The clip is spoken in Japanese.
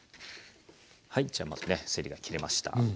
はいじゃあまずねせりが切れました。